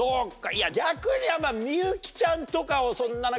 いや逆に。